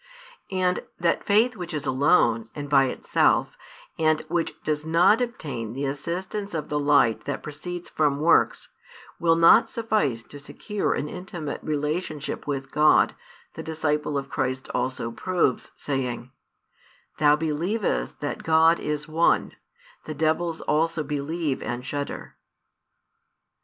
And that faith which is alone, and by itself, and which does not obtain the assistance of the light that proceeds from works, will not suffice to secure an intimate relationship with God, the disciple of Christ |390 also proves, saying: Thou believest that God is one; the devils also believe and shudder.